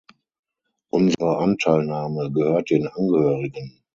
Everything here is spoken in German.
Unsere Anteilnahme gehört den Angehörigen.